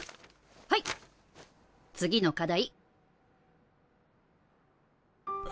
はい次の課題。